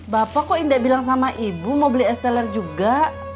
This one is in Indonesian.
bapak kok indek bilang sama ibu mau beli es teler juga